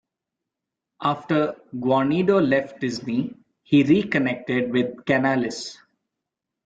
After Guarnido left Disney, he reconnected with Canales.